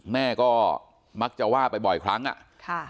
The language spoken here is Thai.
แม่ก็มักจะว่าไปบ่อยครั้งอ่ะค่ะ